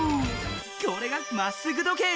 これが「まっすぐ時計」。